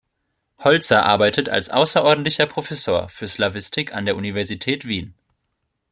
Holzer arbeitet als außerordentlicher Professor für Slawistik an der Universität Wien.